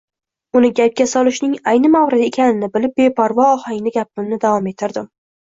Uni gapga solishning ayni mavridi ekanini bilib, beparvo ohangda gapimni davom ettirdim